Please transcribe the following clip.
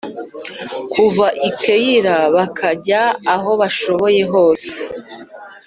bava i Keyila bajya aho bashoboye hose.